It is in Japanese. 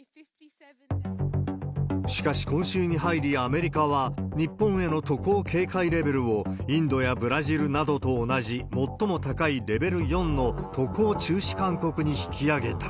しかし、今週に入りアメリカは、日本への渡航警戒レベルをインドやブラジルなどと同じ、最も高いレベル４の渡航中止勧告に引き上げた。